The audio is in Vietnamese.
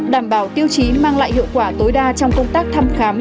đảm bảo tiêu chí mang lại hiệu quả tối đa trong công tác thăm khám